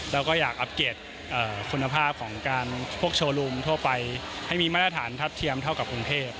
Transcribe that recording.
แล้วก็อยากอัปเกตคุณภาพของการพวกโชว์รูมทั่วไปให้มีมาตรฐานทัพเทียมเท่ากับกรุงเทพ